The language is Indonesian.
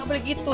gak boleh gitu